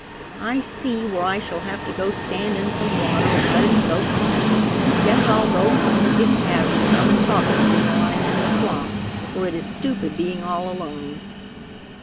"I see where I shall have to go stand in some water and let it soak off. Guess I'll go home and get Tabby to come and talk to me while I am in the trough, for it is stupid being all alone."